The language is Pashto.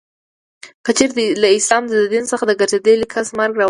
که چیري له اسلام د دین څخه د ګرځېدلې کس مرګ روا.